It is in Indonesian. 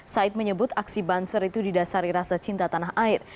said menyebut aksi banser itu didasari rasa cinta tanah air